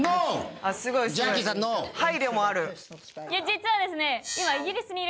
実はですね